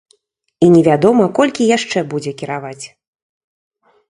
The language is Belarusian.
І не вядома, колькі яшчэ будзе кіраваць.